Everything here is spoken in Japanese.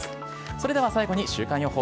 それでは最後に週間予報。